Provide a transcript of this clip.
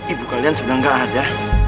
ibu kalian sudah gak ada